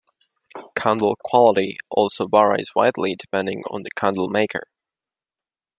Candle quality also varies widely depending on the candle maker.